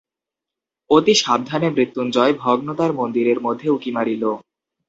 অতি সাবধানে মৃত্যুঞ্জয় ভগ্নদ্বার মন্দিরের মধ্যে উঁকি মারিল।